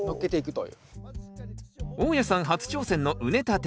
大家さん初挑戦の畝立て。